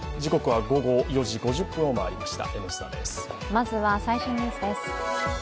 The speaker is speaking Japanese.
まずは最新ニュースです。